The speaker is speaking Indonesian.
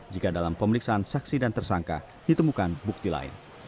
jika dalam pemeriksaan saksi dan tersangka ditemukan bukti lain